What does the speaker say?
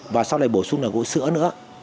và sau này bổ sung là gỗ sữa nữa